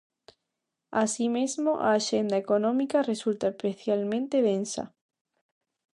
Así mesmo, a axenda económica resulta especialmente densa.